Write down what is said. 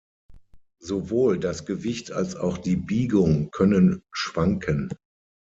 Sowohl das Gewicht als auch die Biegung können schwanken.